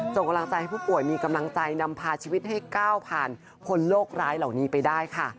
ส่งกำลังใจให้ผู้ป่วยมีกำลังใจนำพาชีวิตให้ก้าวผ่านคนโลกร้ายเหล่านี้ไปได้ค่ะ